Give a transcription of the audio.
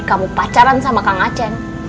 kamu pacaran sama kang aceh